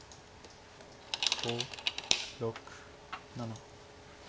５６７。